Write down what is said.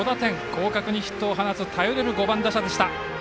広角にヒットを放つ頼れる打者でした。